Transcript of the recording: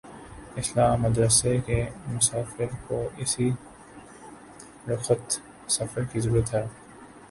اصلاح مدرسہ کے مسافر کو اسی رخت سفر کی ضرورت ہے۔